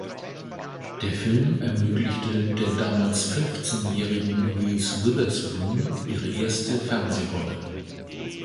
Der Film ermöglichte der damals fünfzehnjährigen Reese Witherspoon ihre erste Fernsehrolle.